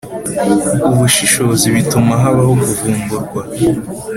ubushishozi bituma habaho kuvumburwa